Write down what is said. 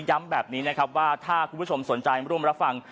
ย้ำแบบนี้นะครับว่าถ้าคุณผู้ชมสนใจร่วมรับฟัง